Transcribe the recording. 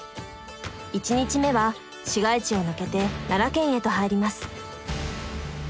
１日目は市街地を抜けて奈良県へと入ります。